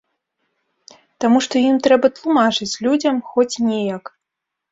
Таму што ім трэба тлумачыць людзям хоць неяк.